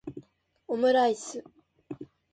オムライス